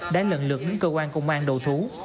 đã lần lượt đến cơ quan công an đầu thú